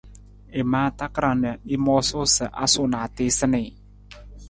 I maa takarang na i moosu sa a suu na a tiisa nii.